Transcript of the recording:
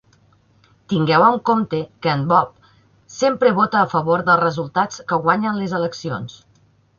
Tingueu en compte que en Bob sempre vota a favor del resultat que guanya les eleccions.